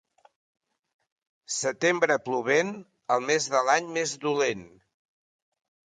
Setembre plovent, el mes de l'any més dolent.